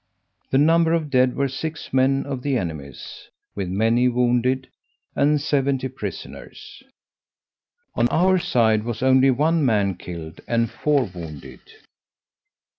The number of dead were six men of the enemies, with many wounded, and seventy prisoners: on our side was only one man killed, and four wounded.